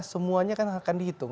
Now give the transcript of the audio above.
semuanya kan akan dihitung